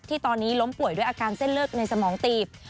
ตอนนี้ล้มป่วยด้วยอาการเส้นเลือดในสมองตีบ